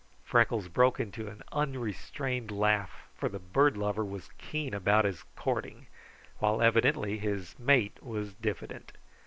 Freckles broke into an unrestrained laugh, for the bird lover was keen about his courting, while evidently his mate was diffident.